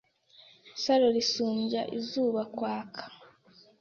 Saro risumbya izuba kwaka !“